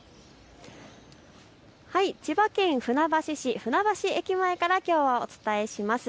千葉県船橋市、船橋駅前からきょうはお伝えします。